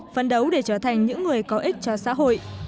phấn đấu để trở thành những người có ích cho xã hội